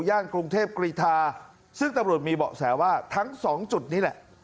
กรุงเทพกรีธาซึ่งตำรวจมีเบาะแสว่าทั้งสองจุดนี้แหละ